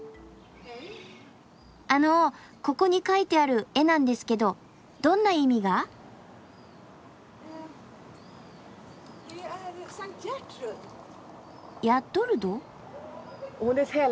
あのここに描いてある絵なんですけどどんな意味が？ヤッドルド？